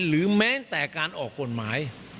หรือแม้แต่การออกกฎหมาย